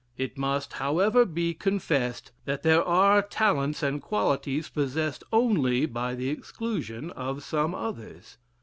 It must, however, be confessed, that there are talents and qualities possessed only by the exclusion of some others.